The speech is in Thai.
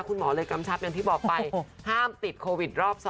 คุณหมอเลยกำชับอย่างที่บอกไปห้ามติดโควิดรอบ๒